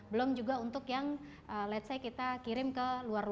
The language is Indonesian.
belum juga untuk yang let's say kita kirim ke luar luar pulau